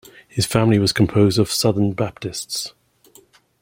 His family was composed of Southern Baptists.